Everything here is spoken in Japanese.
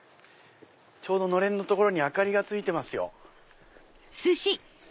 ちょうどのれんの所に明かりがついてますよ。